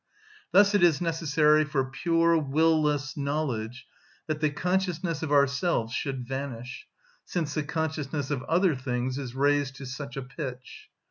Thus it is necessary for pure, will‐less knowledge that the consciousness of ourselves should vanish, since the consciousness of other things is raised to such a pitch.